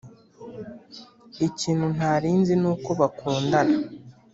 ikintu ntari nzi nuko bakundana ...